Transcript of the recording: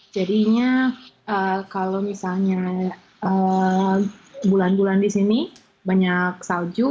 jadinya kalau misalnya bulan bulan di sini banyak salju